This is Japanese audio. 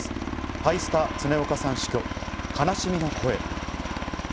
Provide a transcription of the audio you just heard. ハイスタ・恒岡さん死去、悲しみの声。